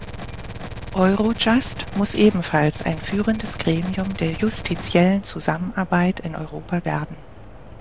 Eurojust muss ebenfalls ein führendes Gremium der justiziellen Zusammenarbeit in Europa werden.